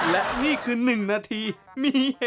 และนี่คือหนึ่งนาทีมีเฮ